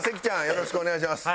よろしくお願いします。